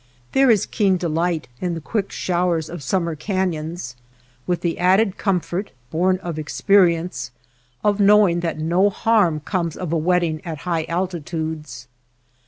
There is keen delight in the quick showers of summer caiions, with the added comfort, born of experience, of knowing that no harm comes of a wetting at high altitudes.